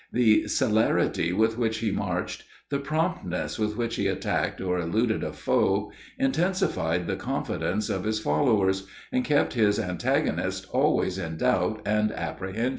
The celerity with which he marched, the promptness with which he attacked or eluded a foe, intensified the confidence of his followers, and kept his antagonists always in doubt and apprehension.